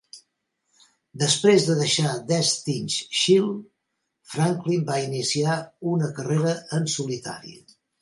Després de deixar Destiny's Child, Franklin va iniciar una carrera en solitari.